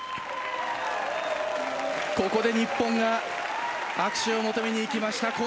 ここで日本が握手を求めに行きました。